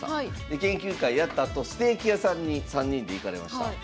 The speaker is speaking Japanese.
で研究会やったあとステーキ屋さんに３人で行かれました。